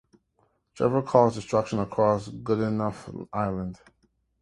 Trevor caused destruction across Goodenough Island.